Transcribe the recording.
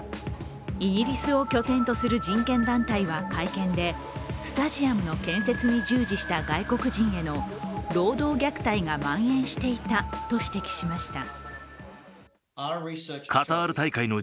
イギリスを拠点とする人権団体は会見で、スタジアムの建設に従事した外国人への労働虐待がまん延していたと指摘しました。